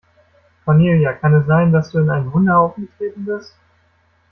Cornelia, kann es sein, dass du in einen Hundehaufen getreten bist?